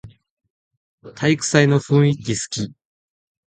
体育祭の雰囲気すき